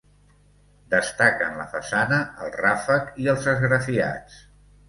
Destaquen la façana, el ràfec i els esgrafiats.